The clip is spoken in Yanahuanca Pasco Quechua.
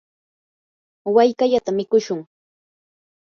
wallkallata mikushun.